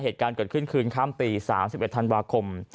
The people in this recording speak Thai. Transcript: เหตุการณ์เกิดขึ้นคืนข้ามปี๓๑ธันวาคม